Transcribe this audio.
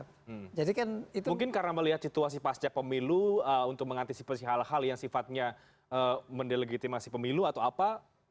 mungkin karena melihat situasi pasca pemilu untuk mengantisipasi hal hal yang sifatnya mendelegitimasi pemilu atau apa